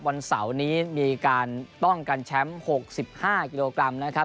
วันเสาร์นี้มีการป้องกันแชมป์๖๕กิโลกรัมนะครับ